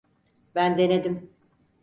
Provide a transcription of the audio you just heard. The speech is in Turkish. Ben denedim.